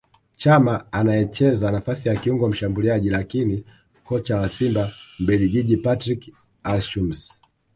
Chama anayecheza nafasi ya kiungo mshambuliaji lakini Kocha wa Simba Mbelgiji Patrick Aussems